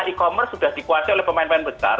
e commerce sudah dikuasai oleh pemain pemain besar